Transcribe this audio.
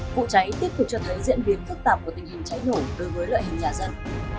vụ cháy tiếp tục cho thấy diễn biến phức tạp của tình hình cháy nổ đối với loại hình nhà dân